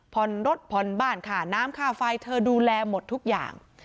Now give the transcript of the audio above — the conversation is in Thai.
ผ่อนรถผ่อนบ้านค่าน้ำค่าไฟเธอดูแลหมดทุกอย่าง